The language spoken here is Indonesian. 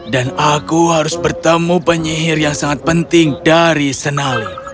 dan aku harus bertemu penyihir yang sangat penting dari senali